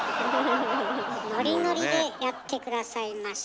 ノリノリでやって下さいました。